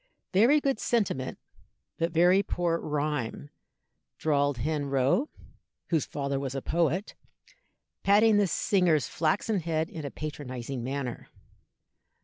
"Very good sentiment, but very poor rhyme," drawled Hen Rowe (whose father was a poet), patting the singer's flaxen head in a patronizing manner.